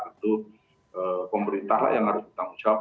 tentu pemerintah lah yang harus bertanggung jawab